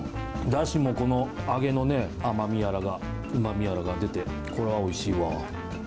ダシもこの揚げの甘みやらがうまみやらが出てこれはおいしいわ。